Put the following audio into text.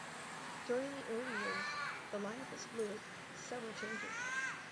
During the early years, the lineup was fluid, with several changes.